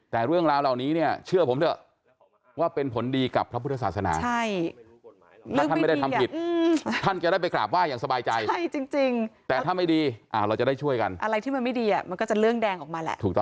แต่เรื่องราวเหล่านี้เชื่อผม